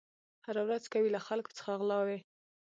هره ورځ کوي له خلکو څخه غلاوي